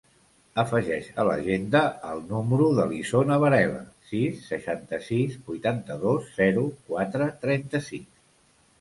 Afegeix a l'agenda el número de l'Isona Varela: sis, seixanta-sis, vuitanta-dos, zero, quatre, trenta-sis.